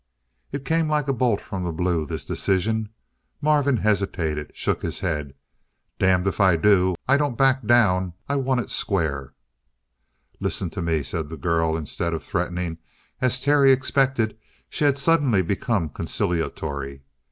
It came like a bolt from the blue, this decision. Marvin hesitated, shook his head. "Damned if I do. I don't back down. I won it square!" "Listen to me," said the girl. Instead of threatening, as Terry expected, she had suddenly become conciliatory.